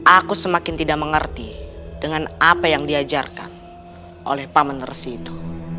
aku semakin tidak mengerti dengan apa yang diajarkan oleh pak manersi itu